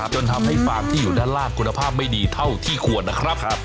จนทำให้ฟางที่อยู่ด้านล่างคุณภาพไม่ดีเท่าที่ควรนะครับ